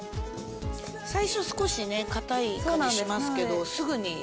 最初少しね硬い感じしますけどそうなんです